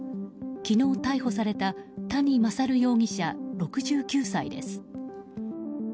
昨日、逮捕された谷勝容疑者、６９歳です。